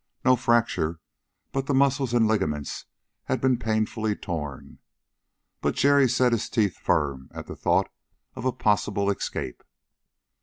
No fracture, but the muscles and ligaments had been painfully torn. But Jerry set his teeth firm at the thought of a possible escape.